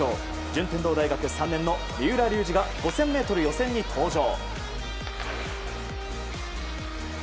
順天堂大学３年の三浦龍司が５０００ｍ予選に登場。